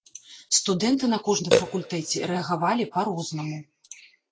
Студэнты на кожным факультэце рэагавалі па-рознаму.